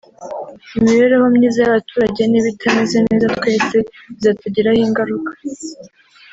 imibereho myiza y’abaturage niba itameze neza twese bizatugiraho ingaruka